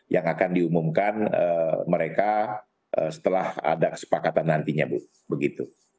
yang akan diumumkan mereka setelah ada kesepakatan nantinya bu begitu